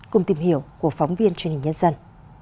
cùng tìm hiểu của phóng viên truyền hình nhân dân